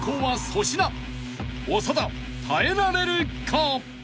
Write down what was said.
［長田耐えられるか？］